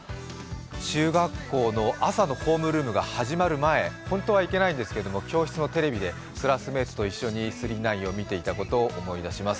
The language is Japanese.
中学校の朝のホームルームが始まる前、ホントはいけないんですけれども、教室のテレビでクラスメートと一緒に「９９９」を見ていたことを思い出します。